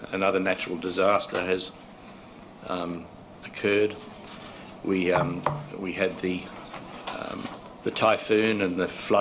ada terjadi terbakar di hokkaido